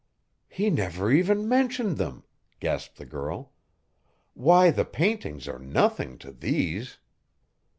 "He never even mentioned them!" gasped the girl. "Why the paintings are nothing to these!"